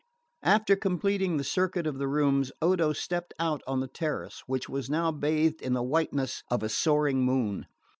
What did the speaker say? After completing the circuit of the rooms Odo stepped out on the terrace, which was now bathed in the whiteness of a soaring moon.